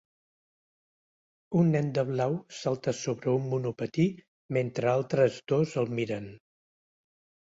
Un nen de blau salta sobre un monopatí mentre altres dos el miren